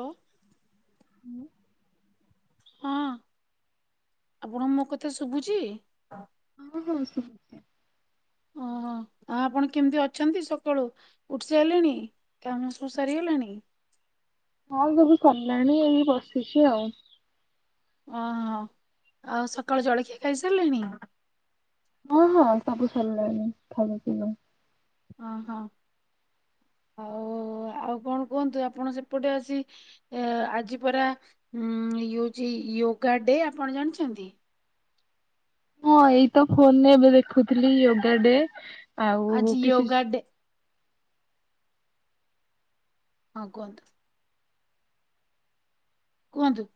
ହ [inaudible] ହଁ [inaudible] ହଁ ଆପଣ ମୋ କଥା ଶୁଭୁଛି। ହଁ ହଁ ଶୁଭୁଛି। ଓହୋ ଆ ଆପଣ କେମିତି ଅଛନ୍ତି ସକାଳୁ? ଉଠି ସାରିଲଣି କାମ ସବୁ ସାରିଗଲାଣି। ହଁ ସବୁ ସରିଲାଣି ଏଇି ବସିଛି ଆଉ। ଓହୋ ଆଉ ସକାଳ ଜଳଖିଆ ଖାଇସାରିଲେଣି। ହଁ ହଁ ସବୁ ସଲାଗିଲଣି ଭଲ କିଲ। ହଁ ହଁ ଆଉ ଆଉ କଣ କୁହନ୍ତୁ ଆପଣ ସେପଟେ ଆସି ଏ ଆଜି ପରା ଇଏ ହେଉଛି ୟୋଗା ଡେ ଆପଣ ଜାଣିଛନ୍ତି। ହଁ ଏଇତ ଫୋନରେ ଏବେ ଦେଖୁଥିଲି ଯୋଗାଡେ ଆଜି ଆଉ କିଛି ୟୋଗା ଡେ ଆ କୁହନ୍ତୁ। କୁହନ୍ତୁ।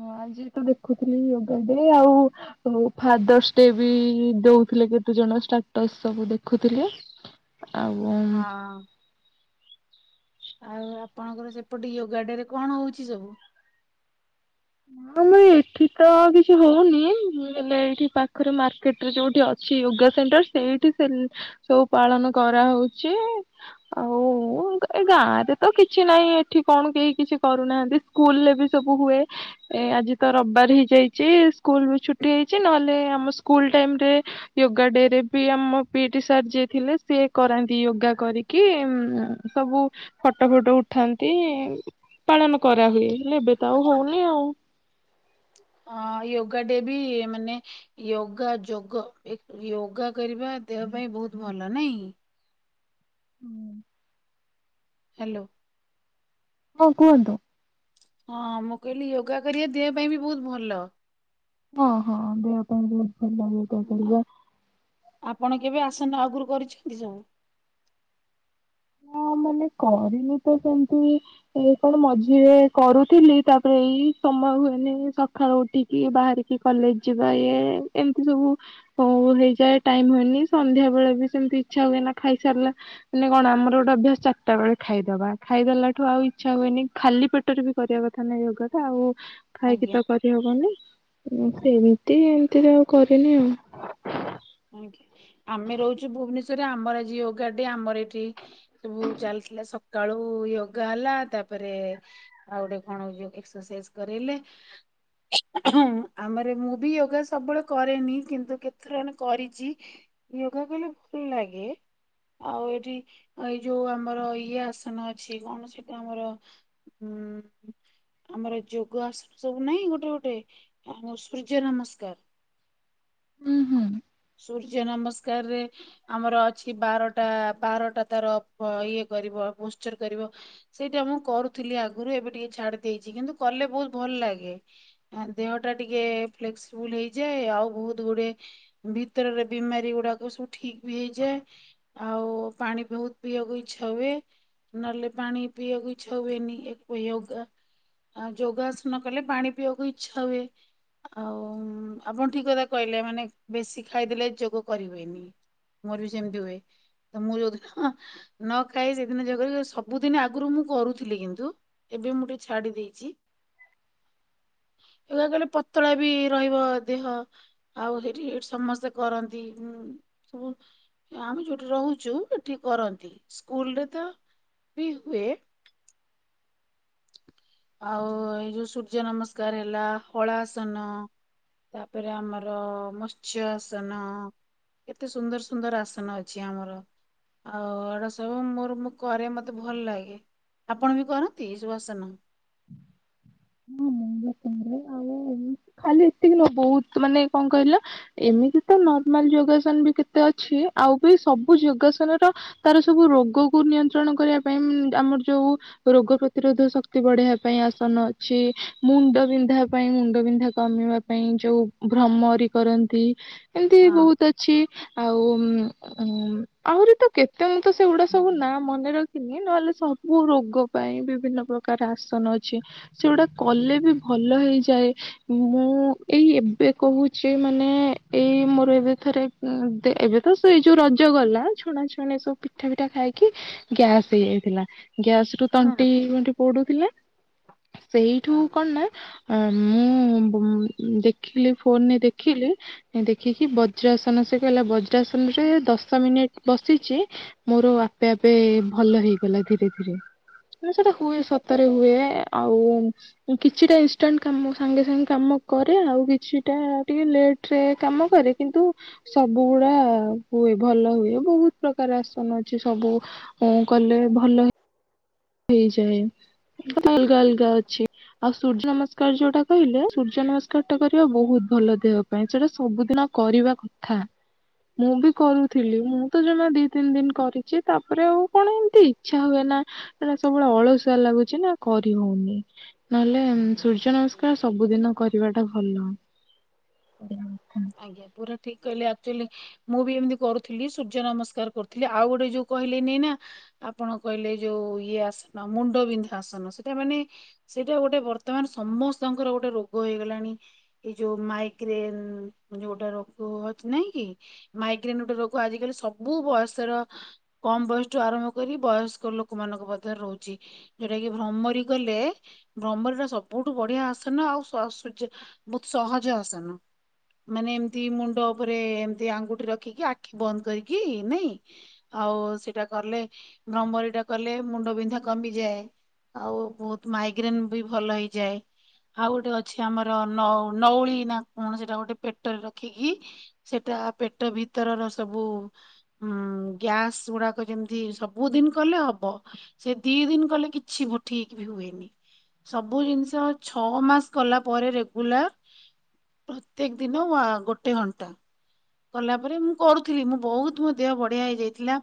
ହ ଆଜି ତ ଦେଖୁଥିଲି ଯୋଗା ଡେ ଆଉ [unintelligible] ଆଉ ଫାଦର୍ସ ଡେ ବି ଦଉଥିଲେ କେତେ ଜଣ ଷ୍ଟାଟସ୍ ସବୁ ଦେଖୁଥିଲେ। ଆଉ [unintelligible] ହଁ ଆଉ ଆପଣଙ୍କର ସେପଟେ ଯୋଗା ଡେ ରେ କଣ ହଉଛି ସବୁ। ହଁ ଏଠି ତ କିଛି ହଉନି ହେଲେ ଏଇଠି ପାଖରେ ରେ ଯୋଉଠି ଅଛି ୟୋଗା ସେଣ୍ଟର ସେଇଠି ସେ ସବୁ ପାଳନ କରାହଉଛି। ଆଉ ଏ ଗାଁ ରେ ତ କିଛି ନାହିଁ ଏଠି କଣ କେହି କିଛି କରୁନାହାନ୍ତି। ସ୍କୁଲ ରେ ବି ସବୁ ହୁଏ। ଏ ଆଜି ତ ରବିବାର ହେଇ ଯାଇଛି ସ୍କୁଲ ବି ଛୁଟି ହେଇଛି ନହେଲେ ଆମ ସ୍କୁଲ ଟାଇମ ରେ ୟୋଗା ଡେ ରେ ବି ଆମ ପିଇ ଟି ସାର୍ ଯିଏ ଥିଲେ ସିଏ କରାନ୍ତି ଯୋଗା କରିକି। କି ଉ ସବୁ ଫଟୋ ଫଟୋ ଉଠାନ୍ତି ପାଳନ କରାହୁଏ। ଏବେ ତ ଆଉ ହଉନି ଆଉ। ଅ ୟୋଗା ଡେ ବି ମାନେ ୟୋଗା ଯୋଗ ୟୋଗା କରିବା ଦେହ ପାଇଁ ବହୁତ ଭଲ ନାଇଁ। [inaudible] ହ୍ୟାଲୋ ହଁ କୁହନ୍ତୁ ହଁ ମୁଁ କହିଲି ୟୋଗା କରିବା ଦେହ ପାଇଁ ବି ବହୁତ ଭଲ। ହଁ ହଁ ଦେହ ପାଇଁ ବହୁତ ଭଲ। କରିବା ଆପଣ କେବେ ଆସନ ଆଗରୁ କରିଛନ୍ତି ସବୁ। ହ ମାନେ କରିନି ତ ସେମିତି ଏ କଣ ମଝିରେ କରୁଥିଲି ତାପରେ ଏଇ ସମୟ ହୁଏନି ସକାଳୁ ଉଠି କିଏ ବାହାରିକି କଲେଜ ଯିବା ଇଏ ଏମିତି ସବୁ ହଉ ହେଇଯାଏ ଟାଇମ ହୁଏନି ସନ୍ଧ୍ୟା ବେଳେ ବି ସେମିତି ଇଚ୍ଛା ହୁଏ ନା ଖାଇସାରିଲା ମାନେ କଣ ଆମ ଗୋଟେ ଅଭ୍ୟାସ ଚାରିଟା ବେଳେ ଖାଇଦବା ଖାଇଦଲା ଠୁ ଆଉ ଇଛା ହୁଏନି ଖାଲି ପେଟରେ ବି କରିବା କଥା ନାହିଁ ଯୋଗଟା ଆଉ ଖାଇକି ଆଜ୍ଞା ତ କରିହବନି ସେ ଏମିତି ଏମିତିରେ ଆଉ କରିନି ଆଉ। ଆଜ୍ଞା ଆମେ ରହୁଛୁ ଭୁବନେଶ୍ଵରରେ ଆମର ଆଯି ୟୋଗା ଡେ ଆମର ଏଠି ସବୁ ଚାଲିଥିଲା ସକାଳୁ ୟୋଗା ହେଲା ତାପରେ ଆଉ ଗୋଟେ କଣ ହଉଛି ଏକ୍ସରସାଇଜ କରେଇଲେ ହଁ ଆମର ମୁଁ ବି ୟୋଗା ସବୁବେଳେ କରେନି କିନ୍ତୁ କେତେ କରିଛି ୟୋଗା କଲେ ଭଲ ଲାଗେ ଆଉ ଏଠି ଏଇ ଯୋଉ ଆମର ଇଏ ଆସନ ଅଛି କଣ ସେଟା ଆମର ହୁଁ। ଆମର ଯୋଗ ଆସନ ସବୁ ନହିଁ ଗୋଟେ ଗୋଟେ ଆମ ସୂର୍ଯ୍ୟ ନମସ୍କାର ହୁଁ ହୁଁ। ସୂର୍ଯ୍ୟ ନମସ୍କାରରେ ଆମର ଅଛି ବାରଟା ବାରଟା ତାର ଇଏ କରିବ ପୋ୍ସଚର କରିବ ସେଇଟା ମୁଁ କରୁଥିଲି ଆଗରୁ ଏବେ ଟିକେ ଛାଡି ଦେଇେଇଛି କିନ୍ତୁ କଲେ ବହୁତ ଭଲ ଲାଗେ। ଦେହ ଟା ଟିକେ ଫ୍ଲେକ୍ସିବୁଲ ହେଇଯାଏ ଆଉ ବହୁତ ଗୁଡେ ଭିତରରେ ବିମାରୀ ଗୁଡାକ ସବୁ ଠିକ ବି ହେଇଯାଏ ଆଉ ପାଣି ବହୁତ ପିୟକୁଇଛ ହୁଏ ନହେଲେ ପାଣି ପିଇବାକୁ ଇଚ୍ଛା ହୁଏନି ୟୋଗା ଆଉ ଯୋଗାସନ କଲେ ପାଣି ପିଇବାକୁ ଇଚ୍ଛା ହୁଏ। ଆଉ ଆପଣ ଠିକ କଥା କହିଲେ ମାନେ ବେଶୀ ଖାଇଦେଲେ ଯୋଗ କରିହୁଏନି। ମୋର ବି ସେମିତି ହୁଏ ତ ମୁଁ ଯୋଉଦିିନ ନ ଖାଇ ସେଦିନ ଯକ ସବୁଦିନ ଆଗରୁ ମୁଁ କରୁଥିଲି କିନ୍ତୁ ଏବେ ମୁଁ ଟିକେ ଛାଡି ଦେଇଛି। [inaudible] ୟୋଗା କଲେ ପତଳା ବି ରହିବ ଦେହ ଆଉ ସେଇଠି ସମସ୍ତେ କରନ୍ତି ଉ ସବୁ ଆମେ ଯୋଉଠି ରହୁଛୁ ଏଠି କରନ୍ତି ସ୍କୁଲ ରେ ତ ବି ହୁଏ ଆଉ ଏଇ ଯୋଉ ସୂର୍ଯ୍ୟ ନମସ୍କାର ହେଲା ହଳାସନ ତାପରେ ଆମର ମତ୍ସ୍ୟ ଆସନ କେତେ ସୁନ୍ଦର ସୁନ୍ଦର ଆସନ ଅଛି ଆମର। ଆଉ ଏଡା ସବୁ ମୋର କରେ ମତେ ଭଲ ଲାଗେ। ଆପଣ ବି କରନ୍ତି ସବୁ ଆସନ? ହ [inaudible] ହଁ ଆଉ ଖାଲି ଏତିକି ନ ବହୁତ ମାନେ କଣ କହିଲ ଏମିତି ତ ନର୍ମାଲ ଯୋଗାସନ ବି କେତେ ଅଛି ଆଉ ବି ସବୁ ଯୋଗାସନ ର ତାର ସବୁ ରୋଗକୁ ନିୟନ୍ତ୍ରଣ କରିବା ପାଇଁ ଆମର ଯୋଉ ରୋଗ ପ୍ରତିରୋଧ ଶକ୍ତି ବଢଆବା ପାଇଁ ଆସନ ଅଛି ମୁଣ୍ଡ ବିନ୍ଧା ପାଇଁ ମୁଣ୍ଡ ବିନ୍ଧା କମିବା ପାଇଁ ଯୋଉ ଭ୍ରମରି କରନ୍ତି ଏମିତି ହଁ। ବହୁତ ଅଛି ଆଉ ଉଁ ଆହୁରି ତ କେତେ ମୁଁ ତ ସେଗୁଡା ସବୁ ନାଁ ମନେ ରଖିନି ନହେଲେ ମୁ ରୋଗ ପାଇଁ ବିଭିନ୍ନ ପ୍ରକାର ଆସନ ଅଛି ସେଗୁଡା କଲେ ବି ଭଲ ହେଇଯାଏ ମୁଁ ଏଇ ଏବେ କହୁଛି ମାନେ ଏଇ ମୋର ଏବେଥରେ ଉଁ ଏବେ ତ ସେଇ ଯୋଉ ରଜ ଗଲା ଛଣା ଛଣି ସବୁ ପିଠା ପିଠା ଖାଇକି ଗ୍ୟାସ ହେଇଯାଇଥିଲା ଗ୍ୟାସ ରୁ ତଣ୍ଟି ବଣ୍ଟି ପୋଡୁଥିଲା ହ [inaudible] ସେଇଠୁ କଣ ନା ଅ ମୁଁ ଦେଖିଲି ଫୋନରେ ଦେଖିଲି- ଦେଖିକି ବଜ୍ରାସନ ସେ କହିଲା ବଜ୍ରାସନ ରେ ଦଶ ମିନିଟ ବସିଛି। ମୋର ଆପେ ଆପେ ଭଲ ହେଇଗଲା ଧୀରେ ଧୀରେ ହ ସେଟା ହୁଏ ସତରେ ହୁଏ। ଏ ଆଉ- କିଛିଟା ଇନଷ୍ଟାଣ୍ଟ କାମ ସାଙ୍ଗେ ସାଙ୍ଗେ କାମ କରେ ଆଉ କିଛିଟା ଟିକେ ଲେଟ୍। ରେ କାମ କରେ କିନ୍ତୁ- ସବୁ ଗୁଡା ହୁଏ ଭଲ ହୁଏ ବହୁତ ପ୍ରକାର ଆସନ ଅଛି ସବୁ। ହଁ କଲେ ଭଲ - ହେଇଯାଏ ଅଲଗା ଅଲଗା ଅଛି। ଆଉ ସୂର୍ଯ୍ୟ ନମସ୍କାର ଯୋଉଟା କହିଲେ ସୂର୍ଯ୍ୟ ନମସ୍କାର ଟା କରିବା ବହୁତ ଭଲ ଦେହ। ପାଇଁ ସେଟା ସବୁଦିନ କରିବା କଥା। ମୁଁ ବି କରୁଥିଲି ମୁଁ ତ ଜମା ଦି ତିନି ଦିନ କରିଛି ତାପରେ ଆଉ କଣ ଏମିତି ଇଚ୍ଛା ହୁଏ ନା। ସେଟା ସବୁବେଳେ ଅଳସୁଆ ଲାଗୁଛି ନା କରି ହଉନି ନହେଲେ ଉ ଆଜ୍ଞା ସୂର୍ଯ୍ୟ ହଁ। ନମସ୍କାର ସବୁଦିନ- କରିବା ଟା ଭଲ କରିବା କଥା। ଆଜ୍ଞା ପୁରା ଠିକ୍ କହିଲେ ଆକ୍ଚୁଆଲି। ମୁଁ ବି ଏମିତି କରୁଥିଲି ସୂର୍ଯ୍ୟ ନମସ୍କାର କରୁଥିଲି ଆଉ ଗୋଟେ ଯୋଉ କହିଲେନି ନା- ଆପଣ କହିଲେ ଯୋଉ ଇଏ ଆସନ ମୁଣ୍ଡବିନ୍ଧା ଆସନ ସେଟା ମାନେ- ସେଇଟା ଗୋଟେ ବର୍ତ୍ତମାନ ସମସ୍ତଙ୍କର ଗୋଟେ ରୋଗ ହେଇଗଲାଣି। ଏ ଯୋଉ ମାଇକ୍ରେନ୍- ଯୋଉଟା ରୋଗ ହଛି ନାଇଁ କି ମାଇକ୍ରେନ ଗୋଟେ ରୋଗ ଆଜିକାଲି ସବୁ ବୟସର- କମ ବୟସଠୁ ଆରମ୍ଭ କରି ବୟସ୍କ ଲୋକମାନାନଙ୍କ ମଧ୍ୟରେ ରହୁଛି। ଯୋଉଟା କି ଭ୍ରମରି ଗଲେ- ଭ୍ରମର ତ ସବୁଠୁ ବଢିଆ ଆସନ ଆଉ ସ ସୁଜ୍ ବହୁତ ସହଜ ଆସନ ମାନେ ଏମତି ମୁଣ୍ଡ ଉପରେ ଏମିତି ଆଙ୍ଗୁଠି ରଖିକି ଆଖି ବନ୍ଦ କରିକି ନାଇଁ। ଆଉ ସେଇଟା କଲେ ଭ୍ରମରିଟା କଲେ ମୁଣ୍ଡ ବିନ୍ଧା କମିଯାଏ। ଆଉ ବହୁତ ମାଇଗ୍ରେନ ବି ଭଲ ହେଇଯାଏ। ଆଉ ଗୋଟେ ଅଛି ଆମର ନ ନଉଳି ନା କଣ ସେଟା ଗୋଟେ ପେଟରେ ରଖିକି ସେଟା ପେଟ ଭିତରର ସବୁ - ହୁଁ ଗ୍ୟାସ ଗୁଡାକ ଯେମିତି ସବୁଦିନ କଲେ ହବ। ସେ ଦି ଦିନ କଲେ କିଛି ଭଠେଇକି ବି ହୁଏନି। ସବୁ ଜିନିଷ ଛଅ ମାସ କଲା ପରେ ରେଗୁଲାର ପ୍ରତ୍ୟେକ ଦିନ ଗୋଟେ ଘଣ୍ଟା- କଲା ପରେ ମୁଁ କରୁଥିଲି ମୁଁ ବହୁତ ମୋ ଦେହ ବଢିଆ ହେଇଯାଇଥିଲା।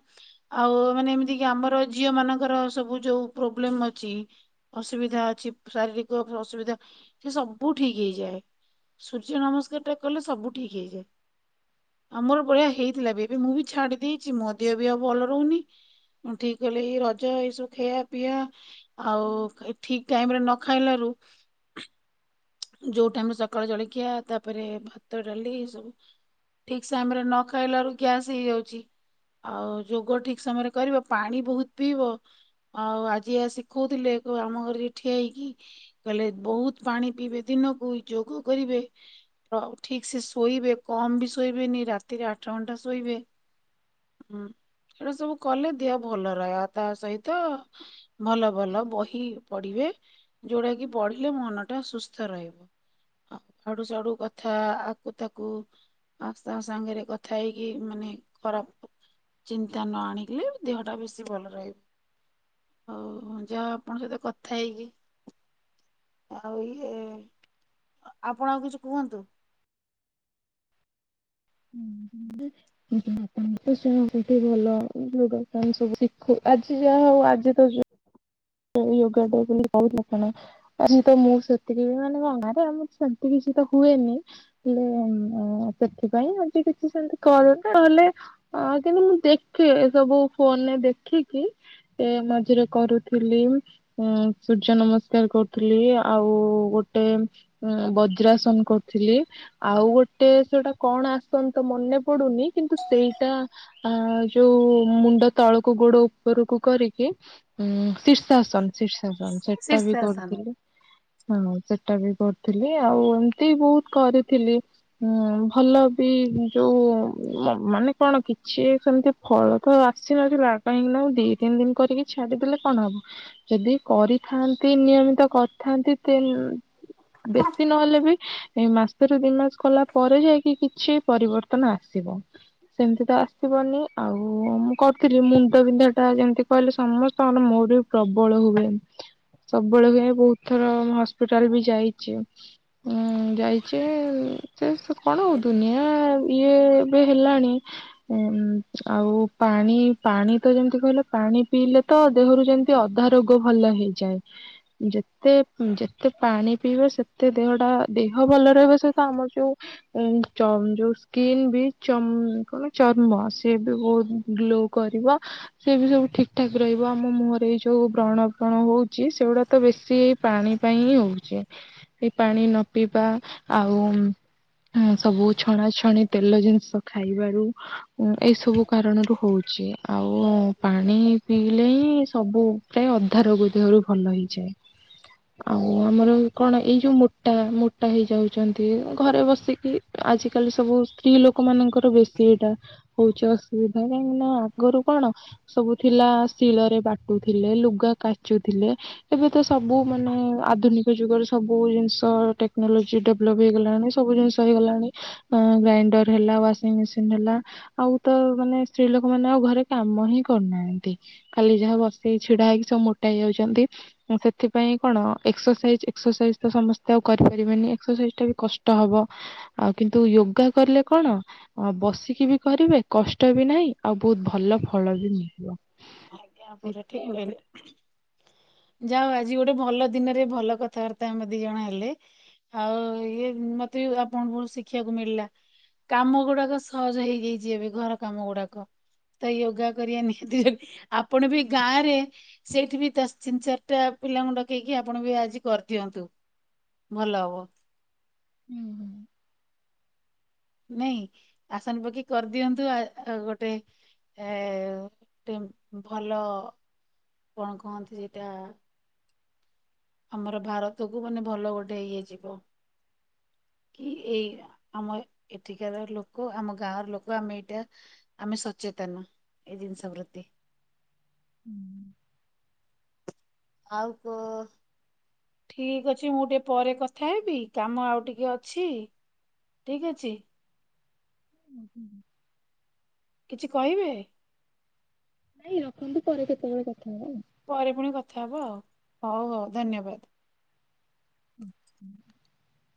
ଆଉ ମାନେ ଏମିତି କି ଆମର ଝିଅ ମାନଙ୍କର ସବୁ ଯୋଉ ପ୍ରୋବ୍ଲେମ ଅଛି - ଅସୁବିଧା ଅଛି ଶାରୀରିକ ଅସୁବିଧା ସେ ସବୁ ଠିକ ହେଇଯାଏ। ସୂର୍ଯ୍ୟ ନମସ୍କାର ଟା କଲେ ସବୁ ଠିକ୍ ହେଇଯାଏ। ଆମର ଭଳିଆ ହେଇଥିଲା ବି ଏବେ ମୁଁ ବି ଛାଡି ଦେଇଛି ମୋ ଦେହ ବି ଆଉ ଭଲ ରହୁନି। ମୁଁ ଠିକ କଲେ ଏଇ ରଜ ଏଇ ସବୁ ଖେଆ ପିଇଆ ଆଉ ଠିକ ଟାଇମରେ ନ ଖାଇଲାରୁ ଯୋଉଟାମ ସକାଳୁ ଜଳଖିଆ ତାପରେ ଭାତ ଡାଲି ସବୁ ଠିକ୍ ସେ ଆମ ରେ ନ ଖାଇଲାରୁ ଗ୍ୟାସ୍ ହେଇଯାଉଛି ଆଉ ଯୋଗ ଠିକ ସମୟରେ କରିବ ପାଣି ବହୁତ ପିଇବ ଆଉ ଆଜି ଆ ଶିଖଉଥିଲେ ଆମ ଘରିକ ଠିଆ ହେଇକି କହିଲେ ବହୁତ ପାଣି ପିଇବେ ଦିନକୁ ଯୋଗ କରିବେ ଠିକ ସେ ଶୋଇବେ କମ ବି ଶୋଇବେନି ରାତିରେ ଆଠ ଘଣ୍ଟା ଶୋଇବେ ହୁଁ ସେଇଟା ସବୁ କଲେ ଦେହ ଭଲ ରହେଆ ତା ସହିତ ଭଲ ଭଲ ବହି ପଢିବେ ଯୋଉଟା କି ପଢିଲେ ମନ ଟା ସୁସ୍ ସ୍ଥ ରହିବ ଆଉ ଆଡୁ ସାଡୁ କଥା ଆକୁ ତାକୁ ଆସ୍ତା ତା ସାଙ୍ଗରେ କଥା ହେଇକି ମାନେ ଖରାପ ଚିନ୍ତା ନ ଆଣିଲେ ଦେହଟା ବେଶୀ ଭଲ ରହିବ। ହଉ ଯାହା ଆପଣଙ୍କ ସହିତ କଥା ହେଇକି ଆଉ ଇ ଏ ଆ ଆପଣ ଆଉ କିଛି କୁହନ୍ତୁ? ମୁଁ [unintelligible] [unintelligible] ମୁଁ ତ ଶୁଣିଚି ସେଇଠି ଭଲ ଯୋଗ ସବୁ ସି ଶିଖୁ ଆଜି ଯାହା ହଉ ଆଜି ତ ୟୋଗା ଟା ବୋଲି [unintelligible] ଆଜି ତ ମୁଁ ସେଥିପାଇଁ ମାନେ ଗାଁରେ ଆମର ସେମିତି କିଛି ତ ହୁଏନି। ହେଲେ ଉଁ ସେଥିପାଇଁ ଆଜି କିଛି ସେମିତି କରୁନି ନହେଲେ। ହଁ କିନ୍ତୁ ମୁଁ ଦେଖେ ସବୁ ଫୋନରେ ଦେଖିକି ଏ ମଝିରେ କରୁ ଥିଲି ଉଁ ସୂର୍ଯ୍ୟ ନମସ୍କାର କରୁଥିଲି ଆଉ ଗୋଟେ। ଉଁ ବଜ୍ରାସନ କରୁଥିଲି। ଆଉ ଗୋଟେ ସେଇଟା କଣ ଆସନ୍ ତ ମନେ ପଡୁନି କିନ୍ତୁ ସେଇଟା। ଆ ଯୋଉ ମୁଣ୍ଡ ତଳକୁ ଗୋଡ ଉପରକୁ କରିକି ଉଁ। ସା ଆସନ ଶୀର୍ଷାସନ ସେଟା ବି ଶୀର୍ଷାସନ। କରୁଥିଲି। ହଁ ସେଟା ବି କରୁଥିଲି ଆଉ ଏମିତି ବହୁତ କରିଥିଲି। ହଁ ଭଲ ବି ଯୋଉ ଉଁ ମ ମାନେ କଣ କିଛି ସେମିତି। ଫଳ ତ ଆସି ନଥିଲା କାହିଁକି ନା ଦି ତିନି ଦିନ କରିକି ଛାଡ଼ିଦେଲେ। କଣ ହବ ଯଦି କରିଥାନ୍ତି ନିୟମିତ କରିଥାନ୍ତି ତେ। ବେଶୀ ନହେଲେ ବି। ଏଇ ମାସରୁ ଦି ମାସ କଲା ପରେ ଯାଇକି କିଛି ପରିବର୍ତ୍ତନ ଆସିବ। ସେମିତି ତ ଆସିବନି ଆଉ ମୁଁ କରୁଥିଲି ମୁଣ୍ଡ ବିନ୍ଧା ଟା ଯେମିତି କହିଲେ ସମ ତାହେଲେ ମୋର ବି ପ୍ରବଳ ହୁଏ। ସବୁବେଳେ ହୁଏ ବହୁତ ଥର ହସ୍ପିଟାଲ ବି ଯାଇଛି। ହୁଁ ଯାଇଛି ସେ ସେ କଣ ଦୁନିଆ। ଇଏ ଏବେ ହେଲାଣି। ଉଁ ଆଉ ପାଣି ପାଣି ତ ଯେମିତି କହିଲେ ପାଣି ପିଇଲେ। ତ ଦେହରୁ ଯେମିତି ଅଧା ରୋଗ ଭଲ ହେଇଯାଏ। ଯେତେ ଉଁ ଯେତେ ପାଣି ପିଇବେ ସେତେ ଦେହଟା ଦେହ ଭଲ ରହିବା ସହିତ ଆମର ଯୋଉ। ଉଁ ଚମ୍ ସ୍କିନ ବି ଚମ କଣ ଚର୍ମ ସେ ବି ବହୁତ ଗ୍ଲୋ। କରିବ ସେ ବି ସବୁ ଠିକ ଠାକ। ରହିବ ଆମ ମୁହଁରେ ଏଇ ଯୋଉ ବ୍ରଣ ଫ୍ରଣ ହଉଛି ସେଗୁଡା ତ ବେଶୀ ଏଇ ପାଣି ପାଇଁ ହିଁ ହଉଛି। ସେ ପାଣି ନ ପିଇବା ଆଉ। ହଁ ସବୁ ଛଣାଛଣି ତେଲ ଜିନିଷ ଖାଇବାରୁ ଉଁ ଏଇ ସବୁ କାରଣରୁ ହଉଛି। ଆଉ ପାଣି। ପିଇଲେ ହିଁ ସବୁ ପ୍ରାୟ ଅଧା ରୋଗ ଦେହରୁ ଭଲ ହେଇଯାଏ। ଆଉ ଆମର କଣ ଏଇ ଯୋଉ ମୋଟା ମୋଟା ହେଇଯାଉଛନ୍ତି ଅ ଘରେ ବସିକି। ଆଜିକାଲି ସବୁ ସ୍ତ୍ରୀ ଲୋକ ମାନଙ୍କ ଠୁ ବେଶୀ ଏଇଟା ହଉଛି ଅସୁବିଧା କାହିଁକି ନା ଆଗରୁ କଣ ସବୁ। ଥିଲା ଶିଳରେ ବାଟୁଥିଲେ ଲୁଗା କାଚୁଥିଲେ। ଏବେ ତ ସବୁ ମାନେ ଆଧୁନିକ ଯୁଗରେ ସବୁ ଜିନିଷ ଟେ କ୍ନୋଲୋଜି ଡେଭଲପ ହେଇଗଲାଣି ସବୁ ଜିନିଷ ହେଇଗଲାଣି। ଅଁ ଗ୍ରାଇଣ୍ଡର ହେଲା ୱାସିଙ୍ଗ ମେସିନ୍ ହେଲା। ଆଉ ତ ମାନେ ସ୍ତ୍ରୀ ଲୋକ ମାନେ ଆଉ ଘରେ କାମ ହିଁ କରୁନା ନ୍ତି ଖାଲି ଯାହା ବଶିକି ଛିଡା ହେଇକି ସବୁ ମୋଟା ହେଇଯାଉଛନ୍ତି। ଉଁ ସେଥିପାଇଁ କଣ ଏକ୍ସରସାଇଜ ଏକ୍ସରସାଇଜ ତ ସମସ୍ତେ ଆଉ କରିପାରିବେନି ଏକ୍ସରସାଇଜ ଟା ବି କଷ୍ଟ ହବ। ଆଉ କିନ୍ତୁ ୟୋଗା କଲେ କଣ। ଅ ବସିକି ବି କରିବେ କଷ୍ଟ ବି ନାହିଁ ଆଉ ବହୁତ ଭଲ ଫଳ ବି ମିଳିବ। ଆଜ୍ଞା ପୁରା ସେଇଥିପାଇଁ ଠିକ ୟୋଗା ଟା କହିଲେ। ଯାହା ହଉ ଆଜି ଗୋଟେ ଭଲ ଦିନରେ ଭଲ କଥାବାର୍ତ୍ତା ଆମେ ଦି ଜଣ ହେଲେ। ଆଉ ଇଏ ଉଁ ମତେ ବି ଆପଣଙ୍କ ପାଖରୁ ଶିଖିବାକୁ ମିଳିଲା। କାମ ଗୁଡାକ ସହଜ ହେଇଯାଇଛି ଏବେ ଘର କାମ ଗୁଡାକ। ତ ଯୋଗା କରିବା ନିହାତି [inaudible] ଆପଣ ବି ଗାଁ ରେ। ସେଇଠି ବି ତା ତିନ ଚାରିଟା ପିଲାଙ୍କୁ ଡକେଇକି ଆପଣ ବି ଆଜି କରିଦିଅନ୍ତୁ। ଭଲ ହବ। ହୁଁ ନାଇଁ ଆସନ ପକେଇ କରିଦିଅନ୍ତୁ ଆ ଗୋଟେ ଏ ଟେମ ଭଲ କଣ କହନ୍ତି ସେଟା? ଆମର ଭାରତକୁୁ ମାନେ ଭଲ ଗୋଟେ ଇଏ ଯିବ। କି ଏଇ ଆମ ଏଠିକାର ଲୋକ ଆମ ଗାଁର ଲୋକ ଆମେ ଏଇଟା ଆମେ ସଚେତନ ଏଇ ଜିନିଷ ପ୍ରତି। ହୁଁ ଆଉ କ ଠିକ ଅଛି ମୁଁ ଟିକେ ପରେ କଥା ହେବି କାମ ଆଉ ଟିକେ ଅଛି। ଠିକ ଅଛି। ଆ କିଛି କହିବେ? ନାଇଁ ରଖନ୍ତୁ ପରେ କେତେବେଳେ କଥା ହବା ଆଉ ପରେ ପୁଣି କଥା ହବ ଆଉ ହଉ ହଉ ଧନ୍ୟବାଦ। ହଛ